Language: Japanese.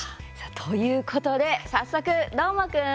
ということで早速どーもくん。